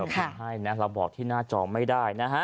เดี๋ยวผมพิมพ์ให้นะเราบอกที่หน้าจอไม่ได้นะฮะ